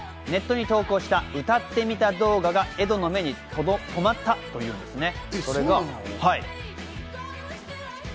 ネットに投稿した、歌ってみた動画がエドの目に止まったというんです。